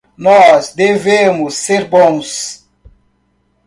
Nós devemos ser bons.